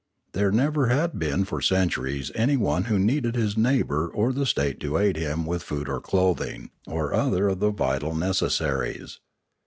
There never had been for centuries anyone who needed his neighbour or the state to aid him with food or clothing or other of the vital necessaries.